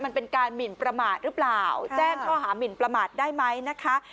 มันเป็นการหมินประมาทหรือเปล่าแจ้งข้อหามินประมาทได้ไหมนะคะ